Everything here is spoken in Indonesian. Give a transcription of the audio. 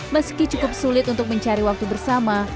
meski cukup sulit untuk mencari waktu bersama